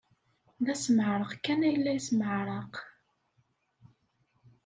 D asmeɛreq kan ay la yesmeɛraq.